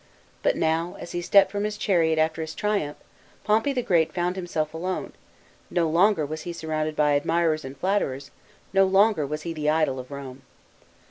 " But now, as he stepped from his chariot after his triumph, Pompey the Great found himself alone ; no longer was he surrounded by admirers and flatterers, no longer was he the idol of Home.